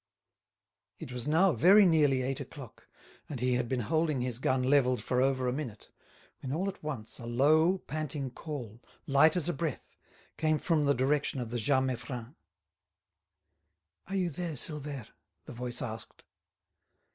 It was now very nearly eight o'clock, and he had been holding his gun levelled for over a minute, when all at once a low, panting call, light as a breath, came from the direction of the Jas Meiffren. "Are you there, Silvère?" the voice asked.